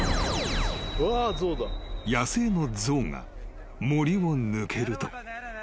［野生の象が森を抜けると］